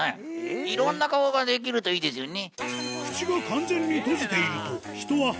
いろんな顔ができるといいですよね。